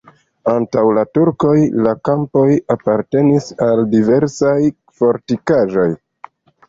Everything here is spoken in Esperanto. Antaŭ la turkoj la kampoj apartenis al diversaj fortikaĵoj.